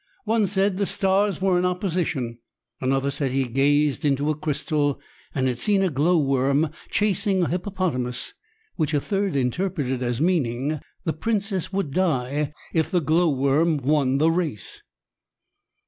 One said the stars were in opposition, another said he had gazed into a crystal and had seen a glow worm chasing a hippopotamus which a third interpreted as meaning the princess would die if the glow worm won the race.